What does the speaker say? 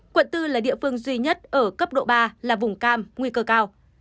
quận bốn là địa phương duy nhất ở cấp độ ba là vùng cam nguy cơ cao